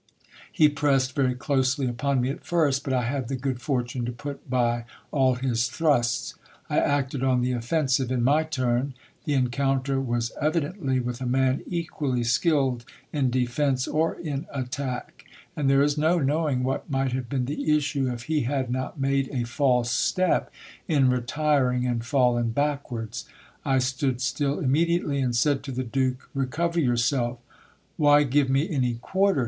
He pressed very closely upon me at first, but I had the good for.une to put by all his thrusts. I acted on the offensive in my turn : the en GIL BLAS. counter was evidently with a man equally skilled in defence or in attack ; and there is no knowing what might have been the issue, if he had not made a false step in retiring, and fallen backwards. I stood still immediately, and said to the duke, Recover yourself. Why give me any quarter?